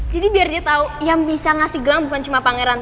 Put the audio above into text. jadi biar dia tau yang bisa ngasih gelang bukan cuma pangeran